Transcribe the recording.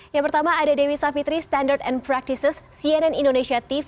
yang pertama ada dewi savitri standard and practices cnn indonesia tv